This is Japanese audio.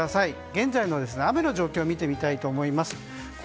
現在の雨の状況を見てみたいと思います。